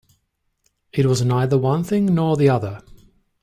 It was neither one thing nor the other.